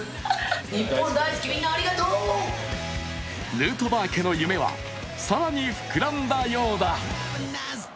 ヌートバー家の夢は更に膨らんだようだ。